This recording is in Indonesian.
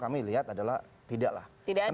kami lihat adalah tidaklah